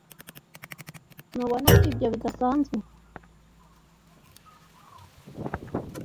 ntubona ko ibyo bidasanzwe